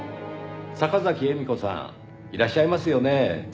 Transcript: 坂崎絵美子さんいらっしゃいますよね？